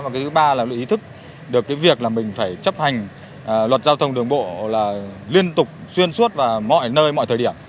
và cái thứ ba là ý thức được cái việc là mình phải chấp hành luật giao thông đường bộ là liên tục xuyên suốt và mọi nơi mọi thời điểm